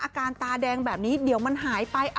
อาการตาแดงแบบนี้เดี๋ยวมันหายไป